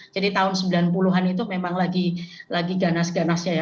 jadi tahun sembilan puluh an itu memang lagi ganas ganasnya ya